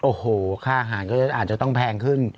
โอ้โหค่าอาหารก็อาจจะต้องแพงขึ้น